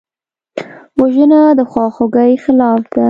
وژنه د خواخوږۍ خلاف ده